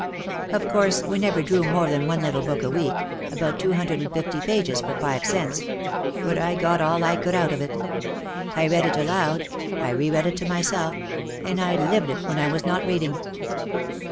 Of course we never drew more than one little book a week, about two hundred and fifty pages for five cents. But I got all I could out of it. I read it aloud, I reread it to myself and I lived it when I was not read ing.